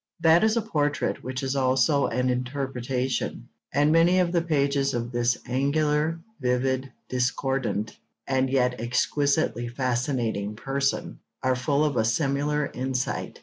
That is a portrait which is also an interpretation, and many of the pages on this 'angular, vivid, discordant, and yet exquisitely fascinating person,' are full of a similar insight.